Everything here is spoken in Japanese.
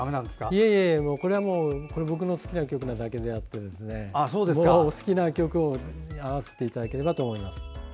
いえいえ、これは僕が好きな曲なだけであって好きな曲に合わせていただければと思います。